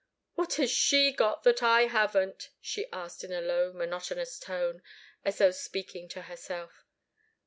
"What has she got that I haven't?" she asked, in a low monotonous tone, as though speaking to herself.